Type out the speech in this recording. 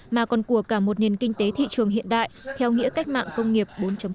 mà còn của cả một nền kinh tế thị trường hiện đại theo nghĩa cách mạng công nghiệp bốn